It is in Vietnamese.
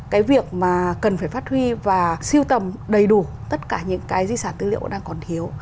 cái việc mà cần phải phát huy và siêu tầm đầy đủ tất cả những cái di sản tư liệu đang còn thiếu